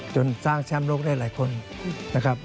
สร้างแชมป์โลกได้หลายคนนะครับ